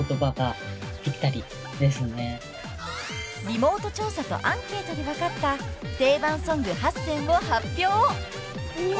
［リモート調査とアンケートで分かった定番ソング８選を発表］